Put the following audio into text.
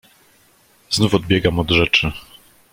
"Znów odbiegam od rzeczy."